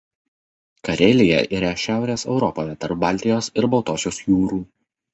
Karelija yra Šiaurės Europoje tarp Baltijos ir Baltosios jūrų.